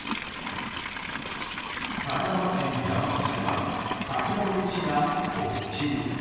神奈川県大和市では桜の木が、ぽっきり。